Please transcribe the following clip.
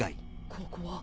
ここは。